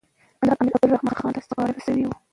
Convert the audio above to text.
کندهار امیر عبدالرحمن خان ته سپارل سوی وو.